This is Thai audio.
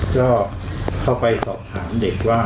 ก็เข้าไปสอบถามเด็กว่า